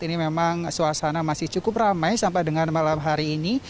ini memang suasana masih cukup ramai sampai dengan malam hari ini